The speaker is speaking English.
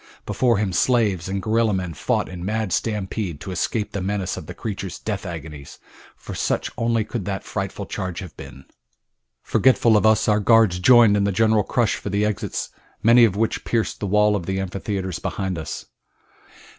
Before him slaves and gorilla men fought in mad stampede to escape the menace of the creature's death agonies, for such only could that frightful charge have been. Forgetful of us, our guards joined in the general rush for the exits, many of which pierced the wall of the amphitheater behind us.